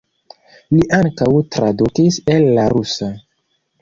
Li ankaŭ tradukis el la rusa.